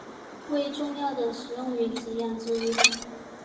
为重要的食用鱼及养殖鱼类。